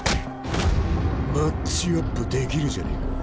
マッチアップできるじゃねえか。